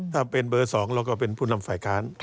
ถ้าเป็นเบอร์๒เราก็เป็นผู้นำฝ่ายค้าน